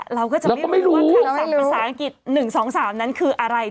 เราก็จะไม่รู้ว่าคำสั่งภาษาอังกฤษ๑๒๓นั้นคืออะไร